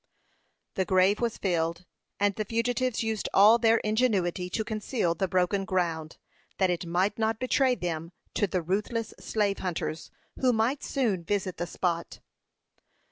The grave was filled, and the fugitives used all their ingenuity to conceal the broken ground, that it might not betray them to the ruthless slave hunters, who might soon visit the spot.